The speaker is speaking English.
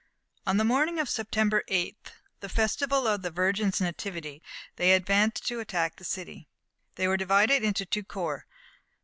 On the morning of September 8th, the festival of the Virgin's nativity, they advanced to attack the city. They were divided into two corps.